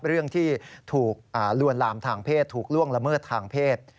เรื่องที่ถูกลวนลามทางเพศถูกล่วงละเมิดทางเพศ